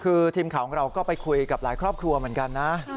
คือทีมข่าวของเราก็ไปคุยกับหลายครอบครัวเหมือนกันนะ